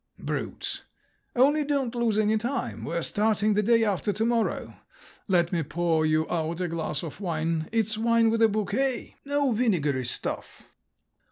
Brutes! Only don't lose any time. We're starting the day after to morrow. Let me pour you out a glass of wine; it's wine with a bouquet—no vinegary stuff."